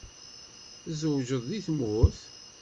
Tzewǧeḍ deg tmurt?